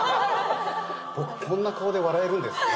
僕こんな顔で笑えるんですね。